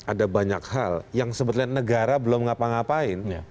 ada banyak hal yang sebetulnya negara belum ngapa ngapain